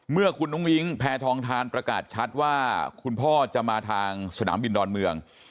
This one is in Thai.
เมื่อคุณอุ้งอิ๊งแพทองทานประกาศชัดว่าคุณพ่อจะมาทางสนามบินดอนเมือง